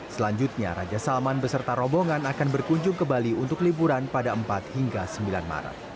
selanjutnya raja salman beserta rombongan akan berkunjung ke bali untuk liburan pada empat hingga sembilan maret